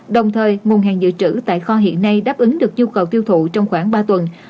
đồng thời nguồn hàng dự trữ tại kho hiện nay đáp ứng được nhu cầu tiêu thụ trong khoảng ba tuần